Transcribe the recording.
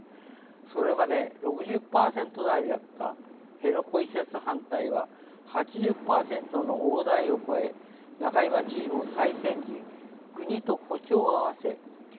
それまで６０％台だった辺野古移設反対は８０％の大台を超え仲井眞知事も再選時国と歩調を合わせ県外移設を唱えました。